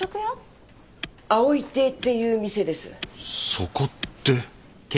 そこって。